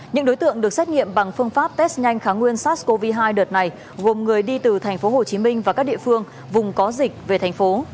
những đối tượng được xét nghiệm bằng phương pháp test nhanh kháng nguyên sars cov hai đợt này gồm người đi từ thành phố hồ chí minh và các địa phương vùng có dịch về thành phố